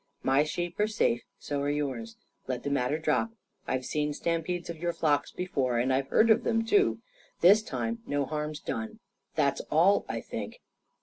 My sheep are safe. So are yours. Let the matter drop. I've seen stampedes of your flocks before. And I've heard of them, too. This time no harm's done. That's all, I think."